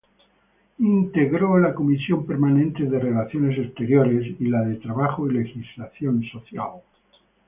Integró la Comisión Permanente de Relaciones Exteriores; y la de Trabajo y Legislación Social.